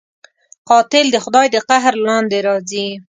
قاتل د خدای د قهر لاندې راځي